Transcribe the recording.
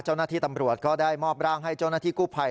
เจ้าหน้าที่ตำรวจก็ได้มอบร่างให้เจ้าหน้าที่กู้ภัย